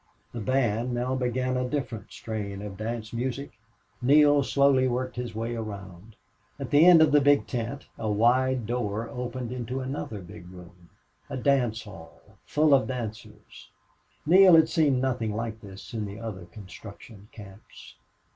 The band now began a different strain of dance music. Neale slowly worked his way around. At the end of the big tent a wide door opened into another big room a dance hall, full of dancers. Neale had seen nothing like this in the other construction camps.